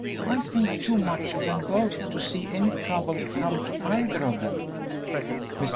I think too much of them both to see any trouble come to either of them." Mr.